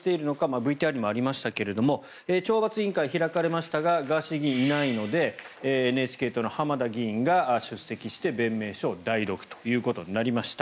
ＶＴＲにもありましたけれど懲罰委員会が開かれましたがガーシー議員いないのでＮＨＫ党の浜田議員が出席して弁明書を代読となりました。